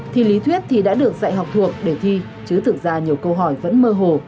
thì lý thuyết thì đã được dạy học thuộc để thi chứ thực ra nhiều câu hỏi vẫn mơ hồ